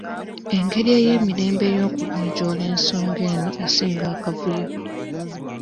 Engeri ey'emirembe ey'okugonjoola ensonga eno esinga akavuyo.